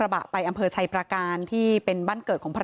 ชาวบ้านในพื้นที่บอกว่าปกติผู้ตายเขาก็อยู่กับสามีแล้วก็ลูกสองคนนะฮะ